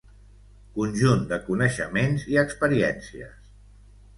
Conjunt de coneixements i experiències.